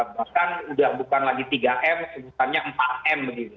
bahkan udah bukan lagi tiga m sebutannya empat m